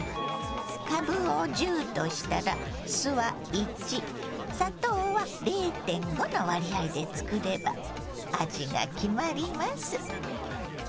かぶを１０としたら酢は１砂糖は０．５の割合で作れば味が決まります。